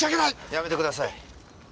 やめてください。